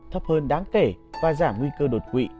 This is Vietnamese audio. thấp hơn đáng kể và giảm nguy cơ đột quỵ